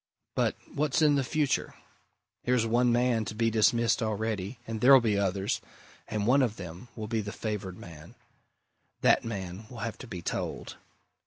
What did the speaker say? But what's in the future? Here's one man to be dismissed already, and there'll be others, and one of them will be the favoured man. That man will have to be told!